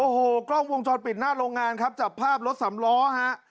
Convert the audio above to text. โอ้โหกล้องวงจรปิดหน้าโรงงานครับจับภาพรถสำล้อฮะ